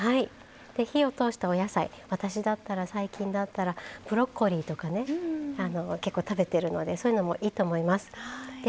火を通したお野菜私だったら最近だったらブロッコリーとかね結構食べてるのでそういうのもいいと思います。